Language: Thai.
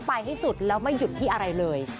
ไปให้สุดแล้วไม่หยุดที่อะไรเลย